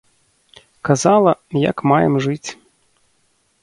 Казала, як маем жыць.